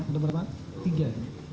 ada berapa tiga